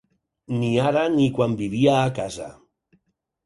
Ni ara ni quan vivia a casa.